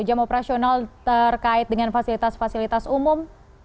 jam operasional terkait dengan fasilitas fasilitas umum